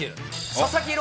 佐々木朗